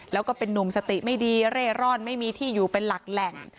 แล้วก็เป็นนุ่มสติไม่ดีเร่ร่อนไม่มีที่อยู่เป็นหลักแหล่ง